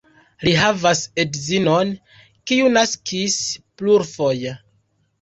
Li havas edzinon, kiu naskis plurfoje.